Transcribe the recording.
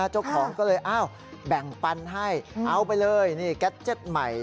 เจ้าของก็เลยแบ่งปันให้เอาไปเลยแก็จเจ็ตใหม่